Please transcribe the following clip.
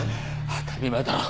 当たり前だろ。